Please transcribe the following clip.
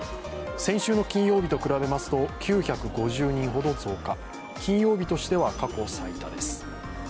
先週の金曜日と比べますと９５０人ほど増加、金曜日としては過去最多です。